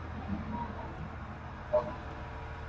Está prologada por Ignacio Cid Hermoso.